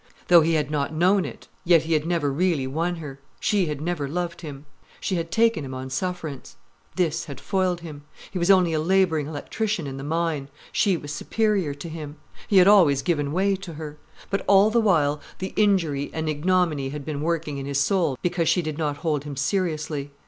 Though he had not known it, yet he had never really won her, she had never loved him. She had taken him on sufference. This had foiled him. He was only a labouring electrician in the mine, she was superior to him. He had always given way to her. But all the while, the injury and ignominy had been working in his soul because she did not hold him seriously.